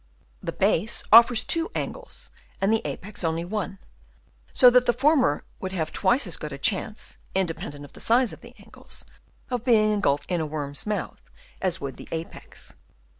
The base offers two angles and the apex only one, so that the former would have twice as good a chance (independently of the size of the angles) of being engulfed in a worm's mouth, as would the apex.